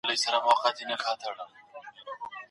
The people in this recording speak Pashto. سياسي نفوذ کله ناکله د اقتصادي ځواک له لاري راځي.